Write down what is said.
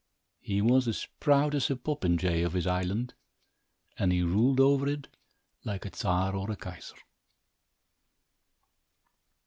He was as proud as a popinjay of his island and he ruled over it like a Czar or a Kaiser.